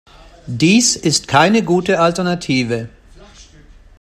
Dies ist keine gute Alternative.